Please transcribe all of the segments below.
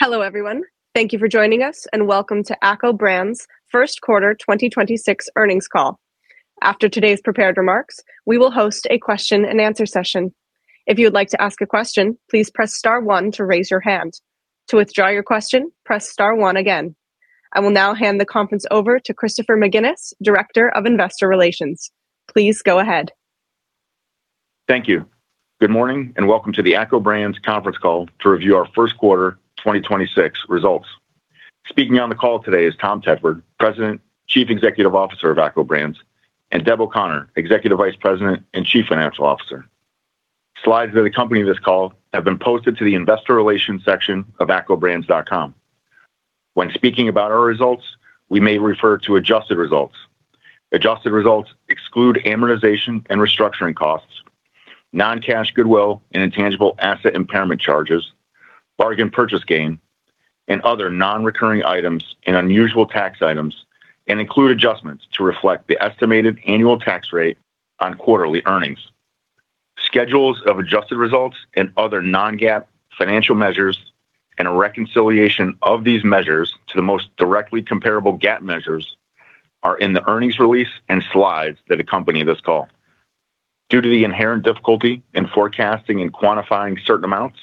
Hello, everyone. Thank you for joining us, and welcome to ACCO Brands' first quarter 2026 earnings call. After today's prepared remarks, we will host a question-and-answer session. If you'd like to ask a question, please press star one to raise your hand. To withdraw your question, press star one again. I will now hand the conference over to Christopher McGinnis, Director of Investor Relations. Please go ahead. Thank you. Good morning, welcome to the ACCO Brands conference call to review our first quarter 2026 results. Speaking on the call today is Tom Tedford, President, Chief Executive Officer of ACCO Brands, and Deborah O'Connor, Executive Vice President and Chief Financial Officer. Slides that accompany this call have been posted to the Investor Relations section of accobrands.com. When speaking about our results, we may refer to adjusted results. Adjusted results exclude amortization and restructuring costs, non-cash goodwill and intangible asset impairment charges, bargain purchase gain, and other non-recurring items and unusual tax items, and include adjustments to reflect the estimated annual tax rate on quarterly earnings. Schedules of adjusted results and other non-GAAP financial measures and a reconciliation of these measures to the most directly comparable GAAP measures are in the earnings release and slides that accompany this call. Due to the inherent difficulty in forecasting and quantifying certain amounts,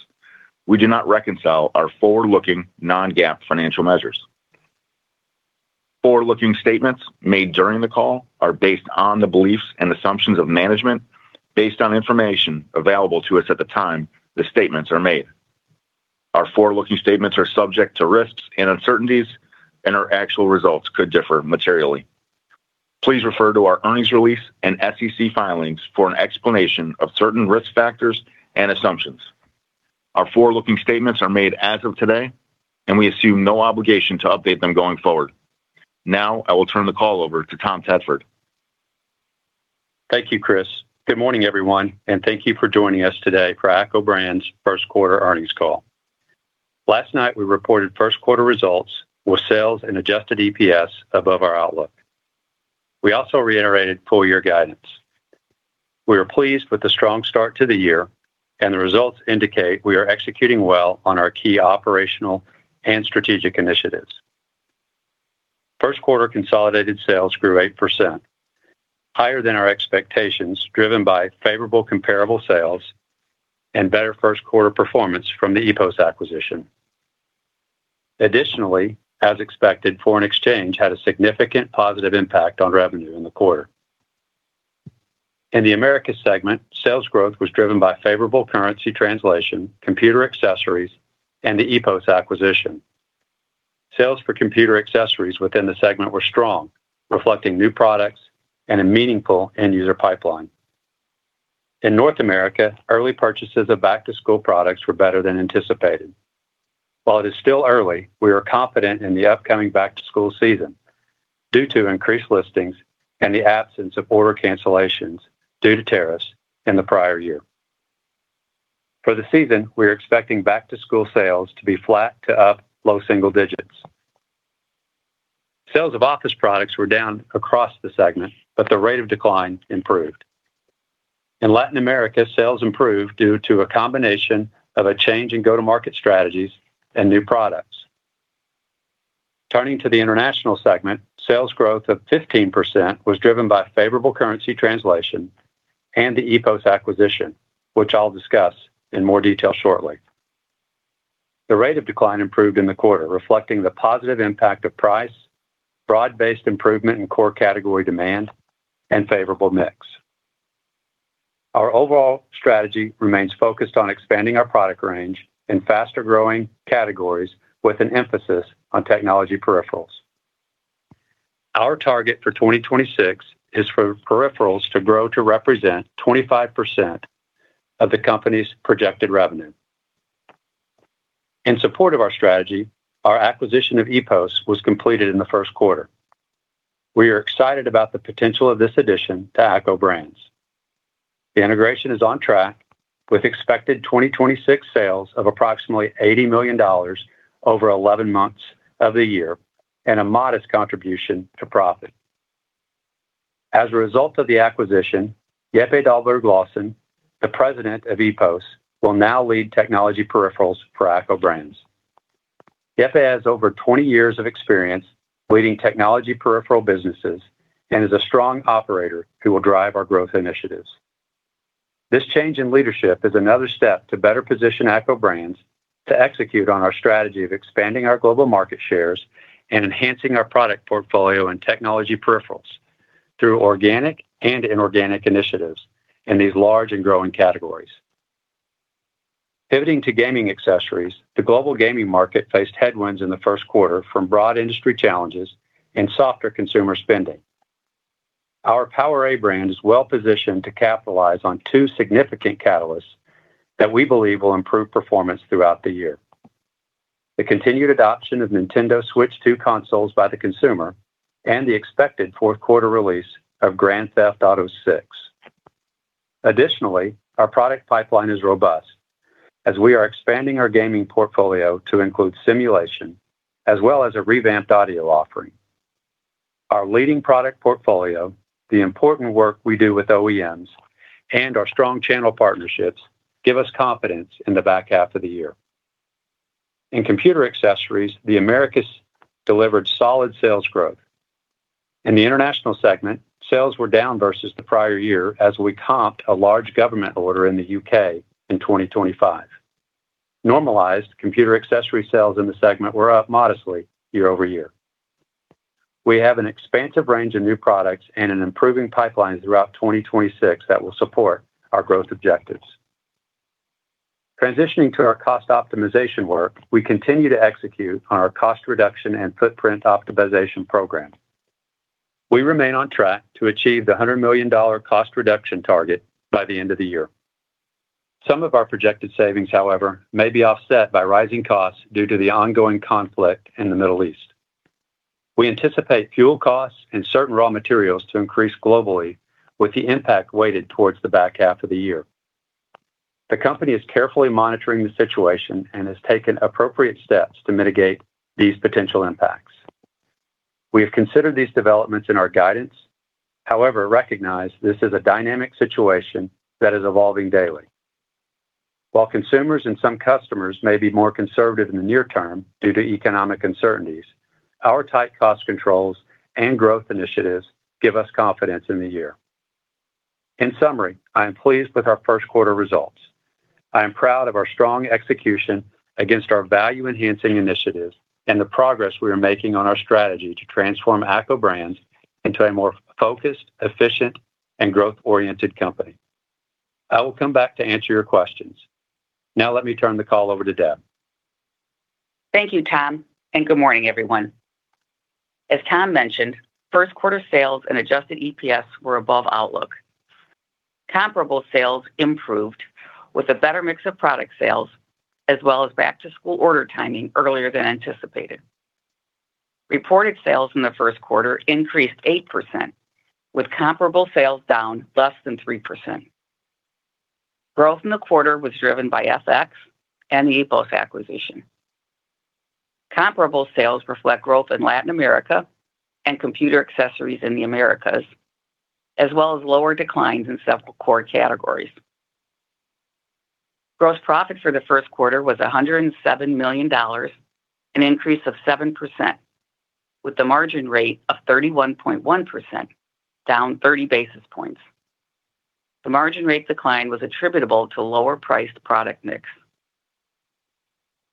we do not reconcile our forward-looking non-GAAP financial measures. Forward-looking statements made during the call are based on the beliefs and assumptions of management based on information available to us at the time the statements are made. Our forward-looking statements are subject to risks and uncertainties, and our actual results could differ materially. Please refer to our earnings release and SEC filings for an explanation of certain risk factors and assumptions. Our forward-looking statements are made as of today, and we assume no obligation to update them going forward. I will turn the call over to Tom Tedford. Thank you, Chris. Good morning, everyone, and thank you for joining us today for ACCO Brands' first quarter earnings call. Last night, we reported first quarter results with sales and adjusted EPS above our outlook. We also reiterated full year guidance. We are pleased with the strong start to the year, and the results indicate we are executing well on our key operational and strategic initiatives. First quarter consolidated sales grew 8%, higher than our expectations, driven by favorable comparable sales and better first quarter performance from the EPOS acquisition. Additionally, as expected, foreign exchange had a significant positive impact on revenue in the quarter. In the Americas segment, sales growth was driven by favorable currency translation, computer accessories, and the EPOS acquisition. Sales for computer accessories within the segment were strong, reflecting new products and a meaningful end user pipeline. In North America, early purchases of back-to-school products were better than anticipated. While it is still early, we are confident in the upcoming back-to-school season due to increased listings and the absence of order cancellations due to tariffs in the prior year. For the season, we're expecting back-to-school sales to be flat to up low single digits. Sales of office products were down across the segment, but the rate of decline improved. In Latin America, sales improved due to a combination of a change in go-to-market strategies and new products. Turning to the International segment, sales growth of 15% was driven by favorable currency translation and the EPOS acquisition, which I'll discuss in more detail shortly. The rate of decline improved in the quarter, reflecting the positive impact of price, broad-based improvement in core category demand, and favorable mix. Our overall strategy remains focused on expanding our product range in faster-growing categories with an emphasis on technology peripherals. Our target for 2026 is for peripherals to grow to represent 25% of the company's projected revenue. In support of our strategy, our acquisition of EPOS was completed in the first quarter. We are excited about the potential of this addition to ACCO Brands. The integration is on track with expected 2026 sales of approximately $80 million over 11 months of the year and a modest contribution to profit. As a result of the acquisition, Jeppe Dalberg-Larsen, the President of EPOS, will now lead Technology Peripherals for ACCO Brands. Jeppe has over 20 years of experience leading technology peripheral businesses and is a strong operator who will drive our growth initiatives. This change in leadership is another step to better position ACCO Brands to execute on our strategy of expanding our global market shares and enhancing our product portfolio and technology peripherals through organic and inorganic initiatives in these large and growing categories. Pivoting to gaming accessories, the global gaming market faced headwinds in the first quarter from broad industry challenges and softer consumer spending. Our PowerA brand is well-positioned to capitalize on two significant catalysts that we believe will improve performance throughout the year: the continued adoption of Nintendo Switch 2 consoles by the consumer and the expected fourth quarter release of Grand Theft Auto VI. Additionally, our product pipeline is robust as we are expanding our gaming portfolio to include simulation as well as a revamped audio offering. Our leading product portfolio, the important work we do with OEMs, and our strong channel partnerships give us confidence in the back half of the year. In computer accessories, the Americas delivered solid sales growth. In the International segment, sales were down versus the prior year as we comped a large government order in the U.K. in 2025. Normalized computer accessory sales in the segment were up modestly year-over-year. We have an expansive range of new products and an improving pipeline throughout 2026 that will support our growth objectives. Transitioning to our cost optimization work, we continue to execute on our cost reduction and footprint optimization program. We remain on track to achieve the $100 million cost reduction target by the end of the year. Some of our projected savings, however, may be offset by rising costs due to the ongoing conflict in the Middle East. We anticipate fuel costs and certain raw materials to increase globally with the impact weighted towards the back half of the year. The company is carefully monitoring the situation and has taken appropriate steps to mitigate these potential impacts. We have considered these developments in our guidance, however, recognize this is a dynamic situation that is evolving daily. While consumers and some customers may be more conservative in the near term due to economic uncertainties, our tight cost controls and growth initiatives give us confidence in the year. In summary, I am pleased with our first quarter results. I am proud of our strong execution against our value-enhancing initiatives and the progress we are making on our strategy to transform ACCO Brands into a more focused, efficient, and growth-oriented company. I will come back to answer your questions. Now let me turn the call over to Deb. Thank you, Tom. Good morning, everyone. As Tom mentioned, first quarter sales and adjusted EPS were above outlook. Comparable sales improved with a better mix of product sales as well as back-to-school order timing earlier than anticipated. Reported sales in the first quarter increased 8% with comparable sales down less than 3%. Growth in the quarter was driven by FX and the EPOS acquisition. Comparable sales reflect growth in Latin America and computer accessories in the Americas, as well as lower declines in several core categories. Gross profit for the first quarter was $107 million, an increase of 7%, with the margin rate of 31.1%, down 30 basis points. The margin rate decline was attributable to lower-priced product mix.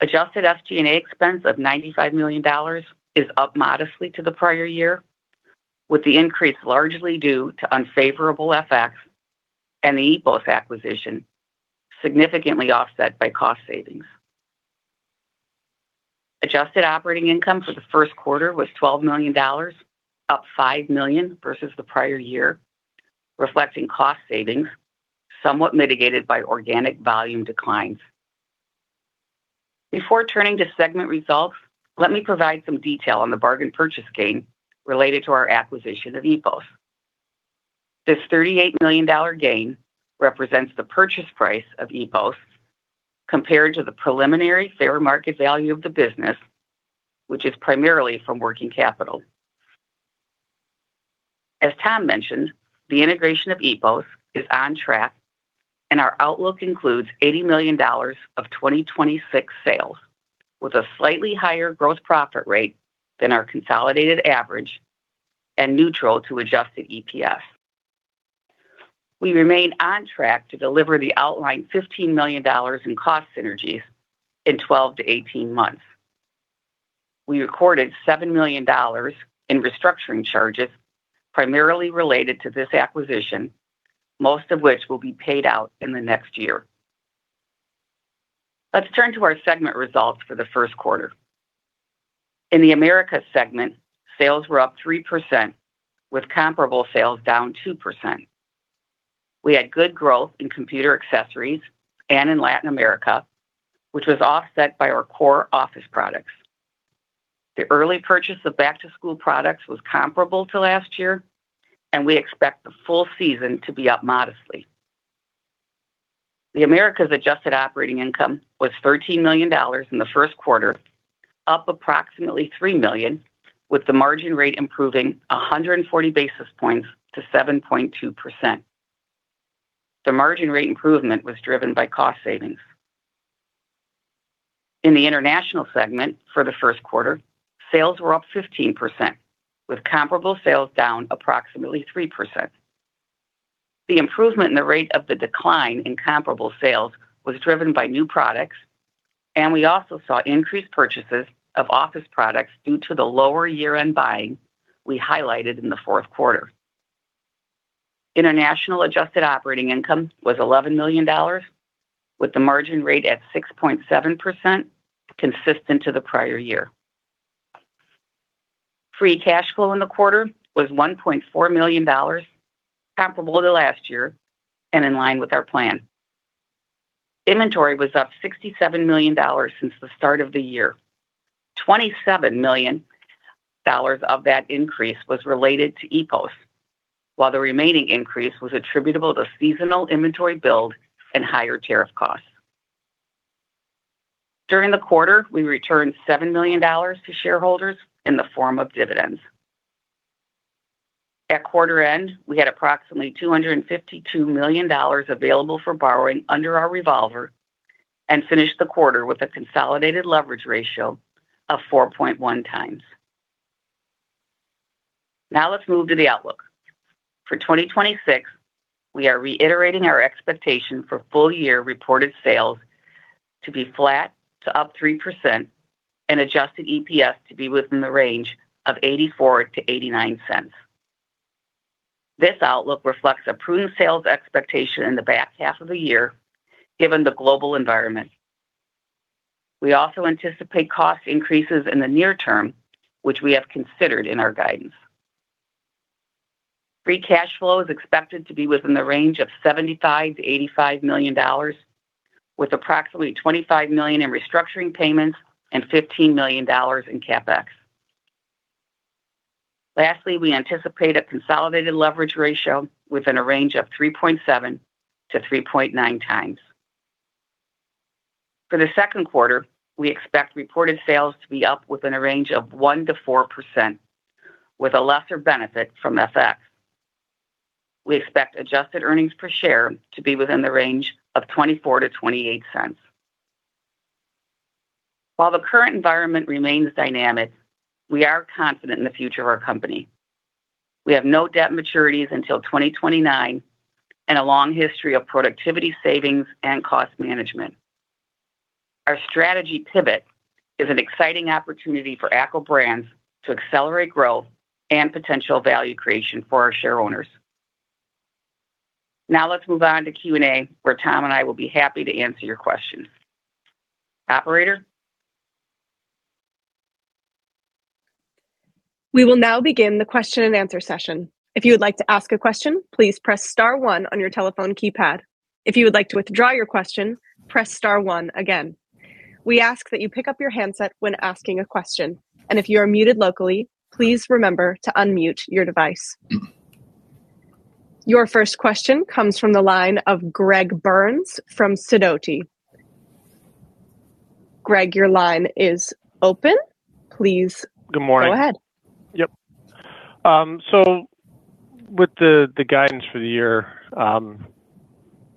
Adjusted SG&A expense of $95 million is up modestly to the prior year, with the increase largely due to unfavorable FX and the EPOS acquisition, significantly offset by cost savings. Adjusted operating income for the first quarter was $12 million, up $5 million versus the prior year, reflecting cost savings somewhat mitigated by organic volume declines. Before turning to segment results, let me provide some detail on the bargain purchase gain related to our acquisition of EPOS. This $38 million gain represents the purchase price of EPOS compared to the preliminary fair market value of the business, which is primarily from working capital. As Tom mentioned, the integration of EPOS is on track. Our outlook includes $80 million of 2026 sales, with a slightly higher gross profit rate than our consolidated average and neutral to adjusted EPS. We remain on track to deliver the outlined $15 million in cost synergies in 12-18 months. We recorded $7 million in restructuring charges primarily related to this acquisition, most of which will be paid out in the next year. Let's turn to our segment results for the first quarter. In the Americas segment, sales were up 3%, with comparable sales down 2%. We had good growth in computer accessories and in Latin America, which was offset by our core office products. The early purchase of back-to-school products was comparable to last year, and we expect the full season to be up modestly. The Americas adjusted operating income was $13 million in the first quarter, up approximately $3 million, with the margin rate improving 140 basis points to 7.2%. The margin rate improvement was driven by cost savings. In the International segment for the first quarter, sales were up 15%, with comparable sales down approximately 3%. The improvement in the rate of the decline in comparable sales was driven by new products, and we also saw increased purchases of office products due to the lower year-end buying we highlighted in the fourth quarter. International adjusted operating income was $11 million, with the margin rate at 6.7% consistent to the prior year. Free cash flow in the quarter was $1.4 million, comparable to last year and in line with our plan. Inventory was up $67 million since the start of the year. $27 million of that increase was related to EPOS, while the remaining increase was attributable to seasonal inventory build and higher tariff costs. During the quarter, we returned $7 million to shareholders in the form of dividends. At quarter end, we had approximately $252 million available for borrowing under our revolver and finished the quarter with a consolidated leverage ratio of 4.1x. Now let's move to the outlook. For 2026, we are reiterating our expectation for full year reported sales to be flat to up 3% and adjusted EPS to be within the range of $0.84-$0.89. This outlook reflects a prudent sales expectation in the back half of the year, given the global environment. We also anticipate cost increases in the near term, which we have considered in our guidance. Free cash flow is expected to be within the range of $75 million-$85 million, with approximately $25 million in restructuring payments and $15 million in CapEx. Lastly, we anticipate a consolidated leverage ratio within a range of 3.7x-3.9x. For the second quarter, we expect reported sales to be up within a range of 1%-4%, with a lesser benefit from FX. We expect adjusted earnings per share to be within the range of $0.24-$0.28. While the current environment remains dynamic, we are confident in the future of our company. We have no debt maturities until 2029 and a long history of productivity savings and cost management. Our strategy pivot is an exciting opportunity for ACCO Brands to accelerate growth and potential value creation for our share owners. Now let's move on to Q&A, where Tom and I will be happy to answer your questions. Operator? We will now begin the question-and-answer session. If you would like to ask a question, please press star one on your telephone keypad. If you would like to withdraw your question, press star one again. We ask that you pick up your handset when asking a question. If you are muted locally, please remember to unmute your device. Your first question comes from the line of Greg Burns from Sidoti. Greg, your line is open. Good morning. Please go ahead. Yep. With the guidance for the year,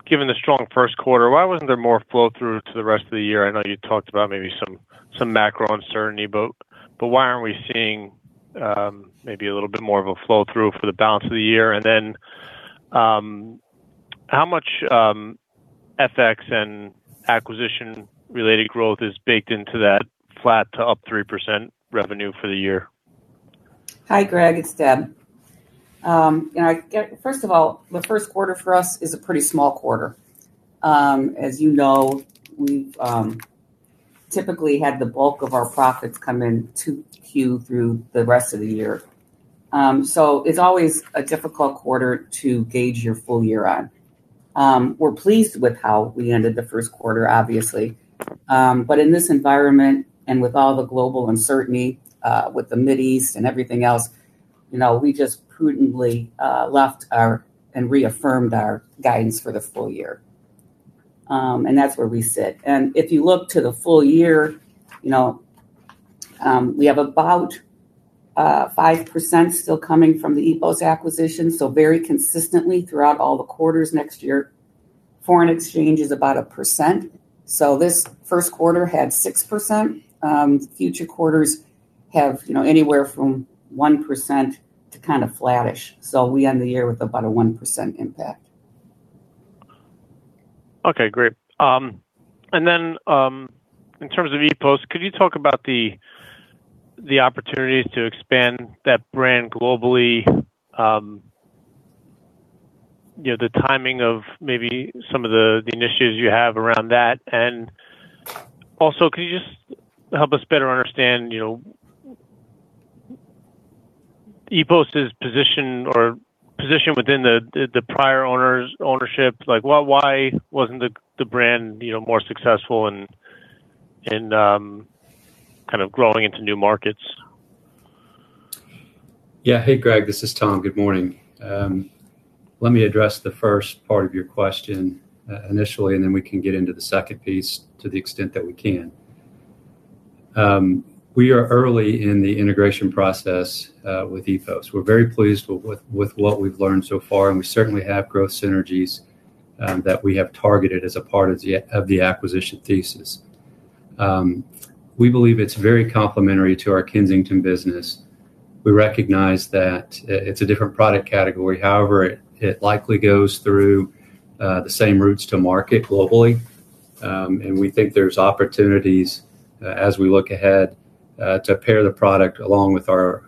given the strong first quarter, why wasn't there more flow-through to the rest of the year? I know you talked about maybe some macro uncertainty, but why aren't we seeing maybe a little bit more of a flow-through for the balance of the year? How much FX and acquisition-related growth is baked into that flat to up 3% revenue for the year? Hi, Greg. It's Deb. First of all, the first quarter for us is a pretty small quarter. As you know, we've typically had the bulk of our profits come in 2Q through the rest of the year. It's always a difficult quarter to gauge your full year on. We're pleased with how we ended the first quarter, obviously. In this environment, with all the global uncertainty, with the Mideast and everything else, you know, we just prudently reaffirmed our guidance for the full year. That's where we sit. If you look to the full year, you know, we have about 5% still coming from the EPOS acquisition, very consistently throughout all the quarters next year. Foreign exchange is about a 1%. This first quarter had 6%. Future quarters have, you know, anywhere from 1% to kind of flattish. We end the year with about a 1% impact. Okay. Great. In terms of EPOS, could you talk about the opportunities to expand that brand globally? You know, the timing of maybe some of the initiatives you have around that. Can you just help us better understand, you know, EPOS' position within the prior ownership? Like, why wasn't the brand, you know, more successful in kind of growing into new markets? Yeah. Hey, Greg. This is Tom. Good morning. Let me address the first part of your question initially. Then we can get into the second piece to the extent that we can. We are early in the integration process with EPOS. We're very pleased with what we've learned so far. We certainly have growth synergies that we have targeted as a part of the acquisition thesis. We believe it's very complementary to our Kensington business. We recognize that it's a different product category. However, it likely goes through the same routes to market globally. We think there's opportunities as we look ahead to pair the product along with our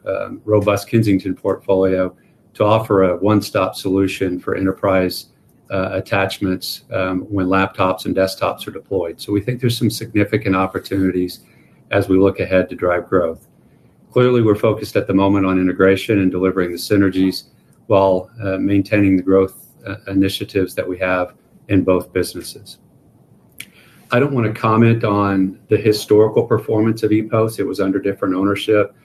robust Kensington portfolio to offer a one-stop solution for enterprise attachments when laptops and desktops are deployed. We think there's some significant opportunities as we look ahead to drive growth. Clearly, we're focused at the moment on integration and delivering the synergies while maintaining the growth initiatives that we have in both businesses. I don't wanna comment on the historical performance of EPOS. It was under different ownership.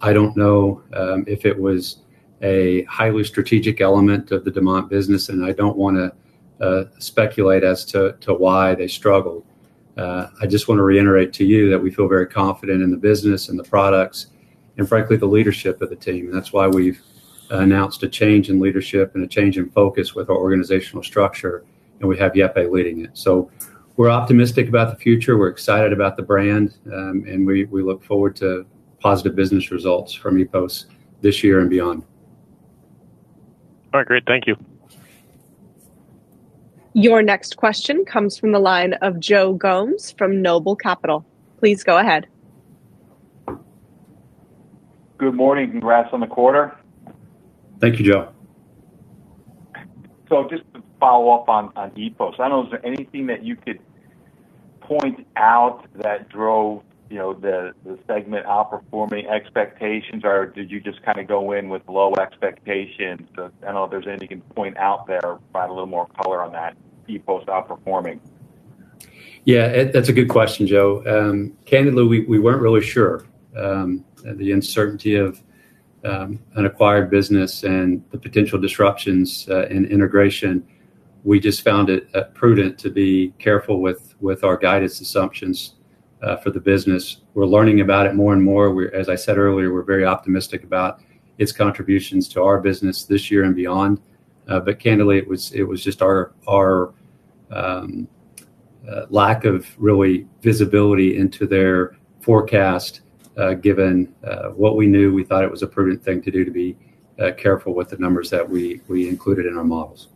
I don't know, if it was a highly strategic element of the Demant business, and I don't wanna speculate as to why they struggled. I just wanna reiterate to you that we feel very confident in the business and the products and, frankly, the leadership of the team. That's why we've announced a change in leadership and a change in focus with our organizational structure, and we have Jeppe leading it. We're optimistic about the future, we're excited about the brand, and we look forward to positive business results from EPOS this year and beyond. All right, great. Thank you. Your next question comes from the line of Joe Gomes from Noble Capital. Please go ahead. Good morning. Congrats on the quarter. Thank you, Joe. Just to follow up on EPOS, I don't know, is there anything that you could point out that drove, you know, the segment outperforming expectations, or did you just kinda go in with low expectations? I don't know if there's anything you can point out there or provide a little more color on that, EPOS outperforming. Yeah, that's a good question, Joe. Candidly, we weren't really sure. The uncertainty of an acquired business and the potential disruptions in integration, we just found it prudent to be careful with our guidance assumptions for the business. We're learning about it more and more. As I said earlier, we're very optimistic about its contributions to our business this year and beyond. Candidly, it was just our lack of really visibility into their forecast. Given what we knew, we thought it was a prudent thing to do to be careful with the numbers that we included in our models.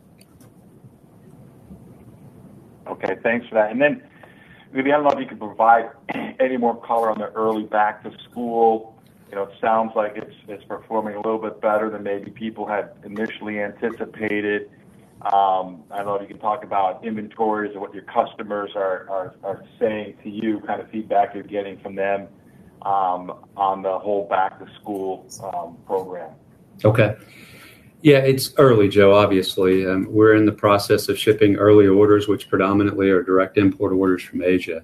Okay, thanks for that. Maybe I don't know if you can provide any more color on the early back-to-school. You know, it sounds like it's performing a little bit better than maybe people had initially anticipated. I don't know if you can talk about inventories or what your customers are saying to you, kind of feedback you're getting from them, on the whole back-to-school program. Okay. Yeah, it's early, Joe, obviously. We're in the process of shipping early orders, which predominantly are direct import orders from Asia.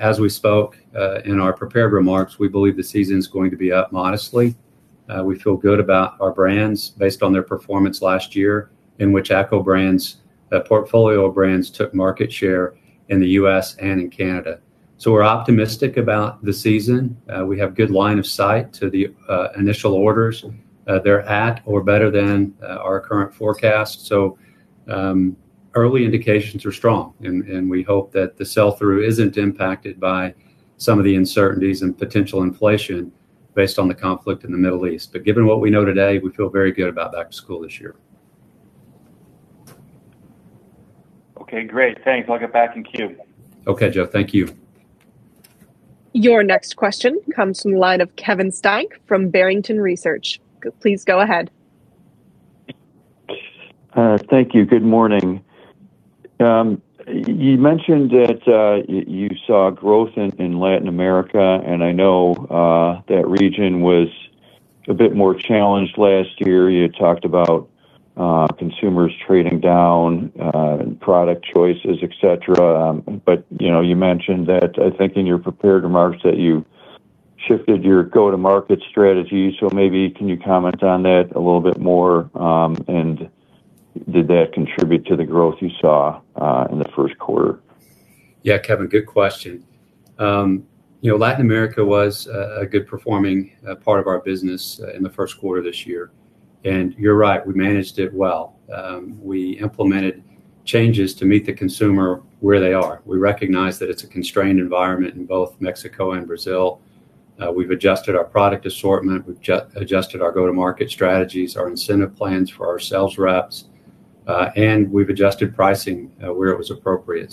As we spoke in our prepared remarks, we believe the season's going to be up modestly. We feel good about our brands based on their performance last year, in which ACCO Brands portfolio of brands took market share in the U.S. and in Canada. We're optimistic about the season. We have good line of sight to the initial orders. They're at or better than our current forecast. Early indications are strong and we hope that the sell-through isn't impacted by some of the uncertainties and potential inflation based on the conflict in the Middle East. Given what we know today, we feel very good about back-to-school this year. Okay, great. Thanks. I'll get back in queue. Okay, Joe. Thank you. Your next question comes from the line of Kevin Steinke from Barrington Research. Please go ahead. Thank you. Good morning. You mentioned that you saw growth in Latin America. I know that region was a bit more challenged last year. You had talked about consumers trading down and product choices, et cetera. You know, you mentioned that, I think in your prepared remarks, that you shifted your go-to-market strategy. Maybe can you comment on that a little bit more? Did that contribute to the growth you saw in the first quarter? Yeah, Kevin, good question. You know, Latin America was a good performing part of our business in the first quarter this year. You're right, we managed it well. We implemented changes to meet the consumer where they are. We recognize that it's a constrained environment in both Mexico and Brazil. We've adjusted our product assortment. We've adjusted our go-to-market strategies, our incentive plans for our sales reps, we've adjusted pricing where it was appropriate.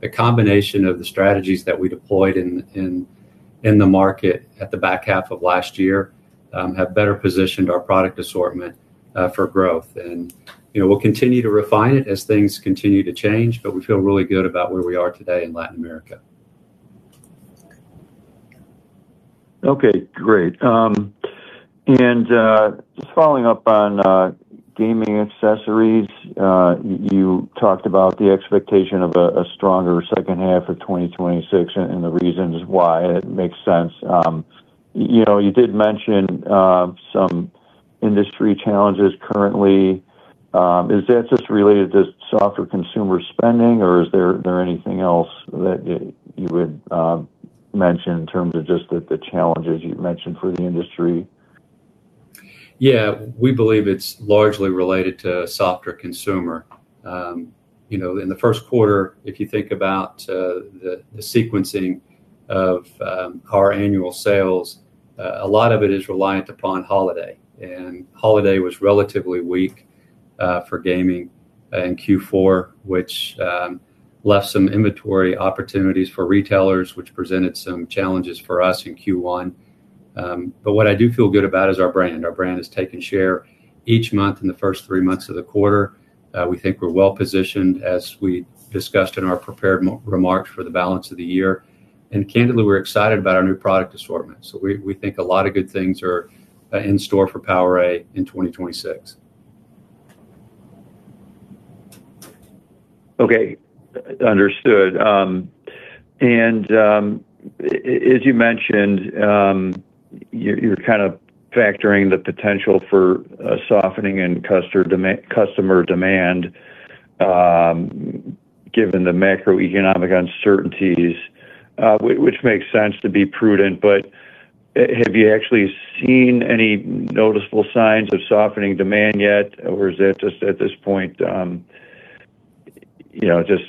The combination of the strategies that we deployed in the market at the back half of last year have better positioned our product assortment for growth. You know, we'll continue to refine it as things continue to change, but we feel really good about where we are today in Latin America. Okay, great. Just following up on gaming accessories, you talked about the expectation of a stronger second half of 2026 and the reasons why it makes sense. You know, you did mention some industry challenges currently. Is that just related to softer consumer spending, or is there anything else that you would mention in terms of just the challenges you mentioned for the industry? Yeah. We believe it's largely related to softer consumer. you know, in the first quarter, if you think about the sequencing of our annual sales, a lot of it is reliant upon holiday. Holiday was relatively weak for gaming in Q4, which left some inventory opportunities for retailers, which presented some challenges for us in Q1. But what I do feel good about is our brand. Our brand has taken share each month in the first three months of the quarter. We think we're well-positioned, as we discussed in our prepared remarks, for the balance of the year. Candidly, we're excited about our new product assortment. We, we think a lot of good things are in store for PowerA in 2026. Okay. Understood. As you mentioned, you're kind of factoring the potential for a softening in customer demand given the macroeconomic uncertainties, which makes sense to be prudent. Have you actually seen any noticeable signs of softening demand yet, or is that just at this point, you know, just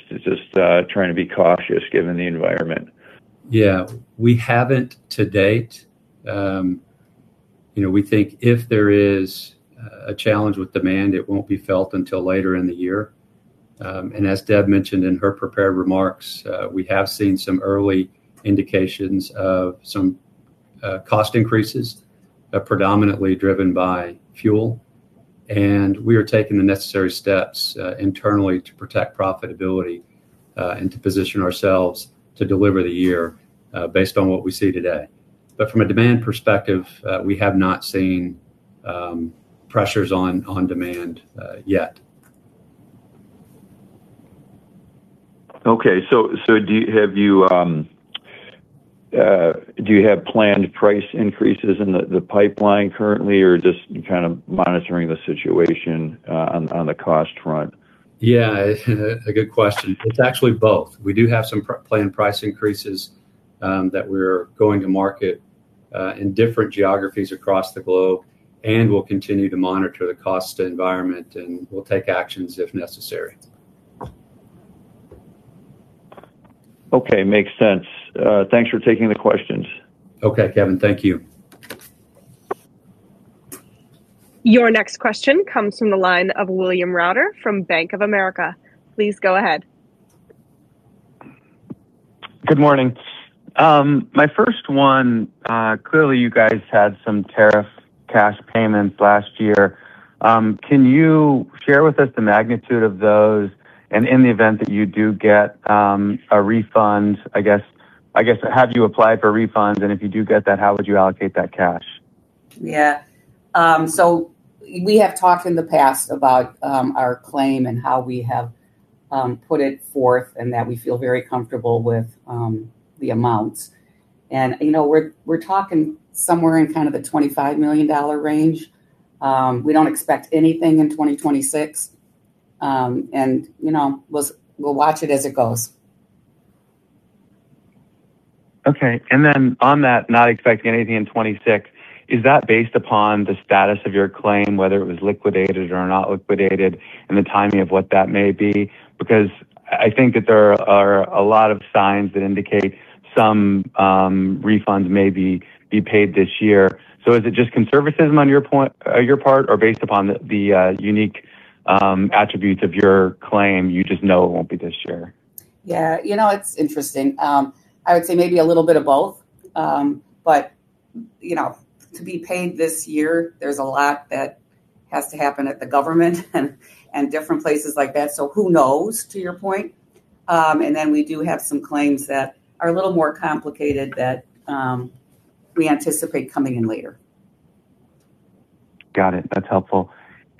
trying to be cautious given the environment? We haven't to date. You know, we think if there is a challenge with demand, it won't be felt until later in the year. As Deb mentioned in her prepared remarks, we have seen some early indications of some cost increases, predominantly driven by fuel, and we are taking the necessary steps internally to protect profitability and to position ourselves to deliver the year based on what we see today. From a demand perspective, we have not seen pressures on demand yet. Okay. Do you have planned price increases in the pipeline currently, or just kind of monitoring the situation on the cost front? Yeah, a good question. It's actually both. We do have some planned price increases that we're going to market in different geographies across the globe. We'll continue to monitor the cost environment. We'll take actions if necessary. Okay. Makes sense. Thanks for taking the questions. Okay, Kevin. Thank you. Your next question comes from the line of William Reuter from Bank of America. Please go ahead. Good morning. My first one, clearly you guys had some tariff cash payments last year. Can you share with us the magnitude of those? In the event that you do get a refund, have you applied for refunds? If you do get that, how would you allocate that cash? Yeah. We have talked in the past about our claim and how we have put it forth, and that we feel very comfortable with the amounts. You know, we're talking somewhere in kind of the $25 million range. We don't expect anything in 2026. You know, we'll watch it as it goes. Okay. On that, not expecting anything in 2026, is that based upon the status of your claim, whether it was liquidated or not liquidated and the timing of what that may be? I think that there are a lot of signs that indicate some refunds may be paid this year. Is it just conservatism on your part, or based upon the unique attributes of your claim, you just know it won't be this year? Yeah. You know, it's interesting. I would say maybe a little bit of both. You know, to be paid this year, there's a lot that has to happen at the government and different places like that. Who knows, to your point. We do have some claims that are a little more complicated that, we anticipate coming in later. Got it. That's helpful.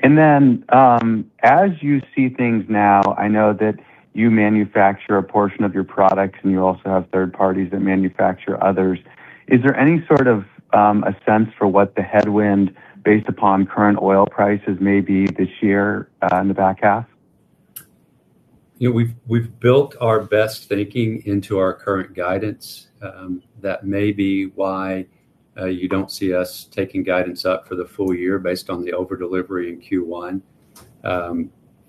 As you see things now, I know that you manufacture a portion of your products, and you also have third parties that manufacture others. Is there any sort of a sense for what the headwind based upon current oil prices may be this year in the back half? You know, we've built our best thinking into our current guidance. That may be why you don't see us taking guidance up for the full year based on the over delivery in Q1.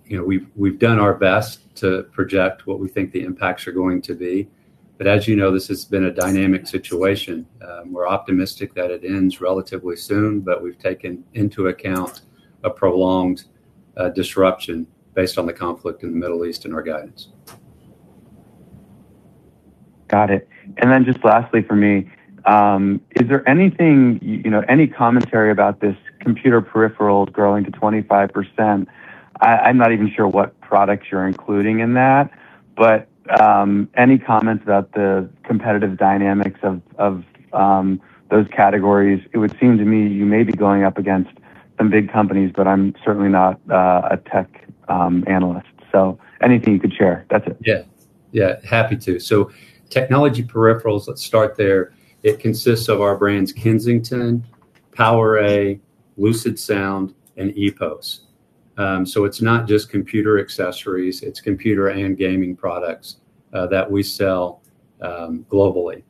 You know, we've done our best to project what we think the impacts are going to be. As you know, this has been a dynamic situation. We're optimistic that it ends relatively soon, but we've taken into account a prolonged disruption based on the conflict in the Middle East in our guidance. Got it. Just lastly for me, you know, is there anything, any commentary about this computer peripherals growing to 25%? I'm not even sure what products you're including in that, but any comments about the competitive dynamics of those categories? It would seem to me you may be going up against some big companies, but I'm certainly not a tech analyst. Anything you could share. That's it. Yeah. Yeah, happy to. Technology peripherals, let's start there. It consists of our brands Kensington, PowerA, LucidSound, and EPOS. It's not just computer accessories, it's computer and gaming products that we sell globally.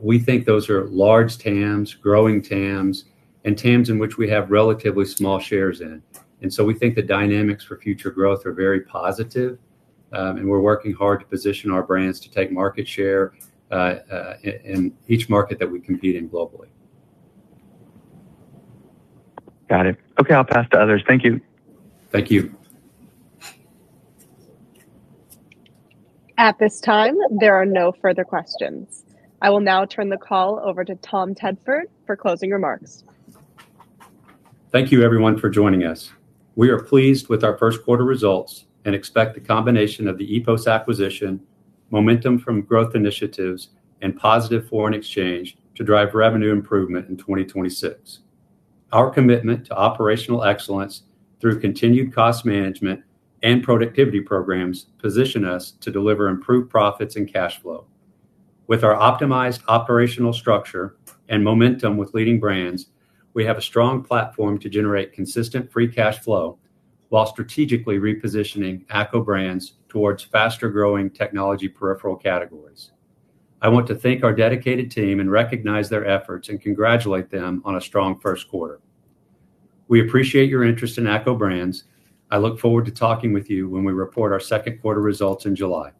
We think those are large TAMs, growing TAMs, and TAMs in which we have relatively small shares in. We think the dynamics for future growth are very positive, and we're working hard to position our brands to take market share in each market that we compete in globally. Got it. Okay, I'll pass to others. Thank you. Thank you. At this time, there are no further questions. I will now turn the call over to Tom Tedford for closing remarks. Thank you everyone for joining us. We are pleased with our first quarter results and expect the combination of the EPOS acquisition, momentum from growth initiatives, and positive foreign exchange to drive revenue improvement in 2026. Our commitment to operational excellence through continued cost management and productivity programs position us to deliver improved profits and cash flow. With our optimized operational structure and momentum with leading brands, we have a strong platform to generate consistent free cash flow while strategically repositioning ACCO Brands towards faster-growing technology peripheral categories. I want to thank our dedicated team and recognize their efforts and congratulate them on a strong first quarter. We appreciate your interest in ACCO Brands. I look forward to talking with you when we report our second quarter results in July.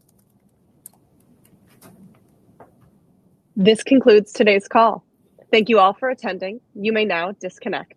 This concludes today's call. Thank you all for attending. You may now disconnect.